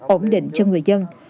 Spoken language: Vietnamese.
ổn định cho người dân